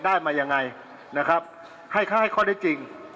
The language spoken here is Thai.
ได้มายังไงนะครับให้เขาให้ข้อได้จริง